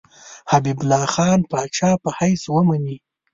حبیب الله خان پاچا په حیث ومني.